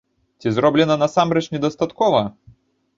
Ці зроблена насамрэч недастаткова?